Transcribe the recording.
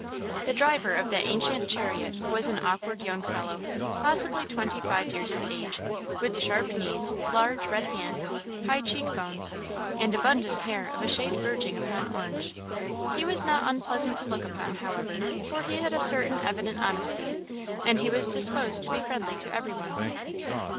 The driver of that ancient chariot was an awkward young fellow, possibly twenty five years of age, with sharp knees, large, red hands, high cheek bones, and abundant hair of a shade verging upon orange. He was not unpleasant to look upon, however, for he had a certain evident honesty, and he was disposed to be friendly to every one.